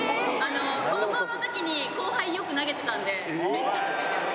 高校の時に後輩よく投げてたんでめっちゃ得意です。